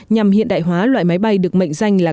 nhằm hiện đại hóa loại máy bay được mệnh danh là